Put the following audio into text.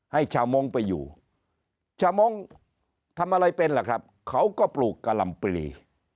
ชาวมงค์ไปอยู่ชาวมงค์ทำอะไรเป็นล่ะครับเขาก็ปลูกกะลำปลี